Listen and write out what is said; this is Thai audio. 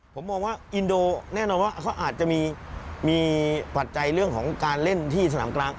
ผมมองว่าอินโดแน่นอนว่าเขาอาจจะมีปัจจัยเรื่องของการเล่นที่สนามกลาง